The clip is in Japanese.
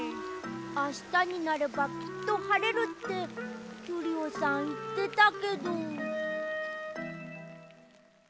「あしたになればきっとはれる」ってキュリオさんいってたけど。